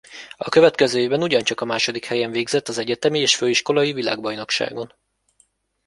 A következő évben ugyancsak a második helyen végzett az Egyetemi és Főiskolai világbajnokságon.